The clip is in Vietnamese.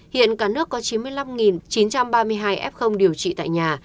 hiện cả nước có chín mươi năm chín trăm ba mươi hai f điều trị tại nhà